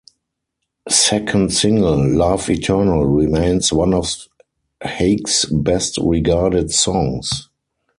Second single "Love Eternal" remains one of Haig's best regarded songs.